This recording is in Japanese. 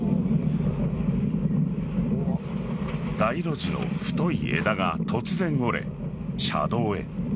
街路樹の太い枝が突然折れ車道へ。